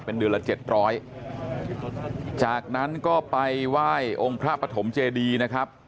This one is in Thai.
เป็นเดือนละเจ็ดร้อยจากนั้นก็ไปไหว้องค์พระปฐมเจดีนะครับ